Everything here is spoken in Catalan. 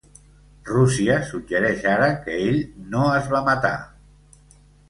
Rússia suggereix ara que ell no es va matar.